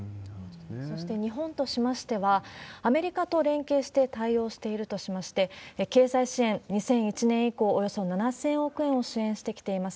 そして日本としましては、アメリカと連携して対応しているとしまして、経済支援２００１年以降、およそ７０００億円を支援してきてます。